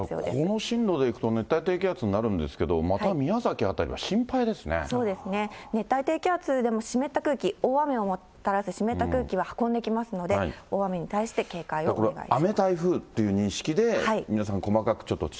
この進路で行くと、熱帯低気圧になるんですけど、そうですね、熱帯低気圧でも湿った空気、大雨をもたらす湿った空気は運んできますので、大雨に対して警戒をお願いします。